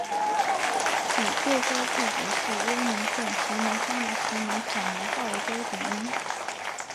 以贵州毕节市威宁县石门乡的石门坎苗话为标准音。